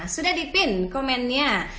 sudah dipin komennya